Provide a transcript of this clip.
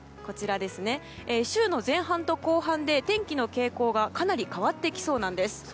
週の前半と後半で天気の傾向がかなり変わってきそうなんです。